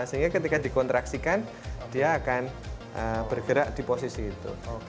sehingga ketika dikontraksikan dia akan bergerak di posisi itu